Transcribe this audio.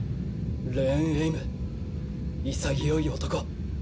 レーン・エイム潔い男。